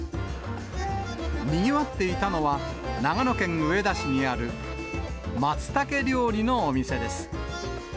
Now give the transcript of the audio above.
にぎわっていたのは、長野県上田市にあるマツタケ料理のお店です。